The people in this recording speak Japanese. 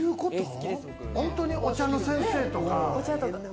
本当にお茶の先生とか？